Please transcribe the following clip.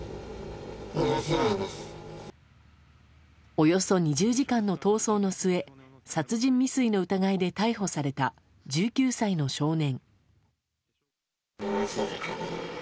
およそ２０時間の逃走の末殺人未遂の疑いで逮捕された１９歳の少年。